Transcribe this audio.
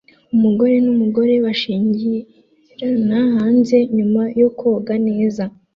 Umugore n'umugore bashingirana hanze nyuma yo koga neza